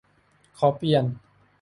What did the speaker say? "ขอเปลี่ยน"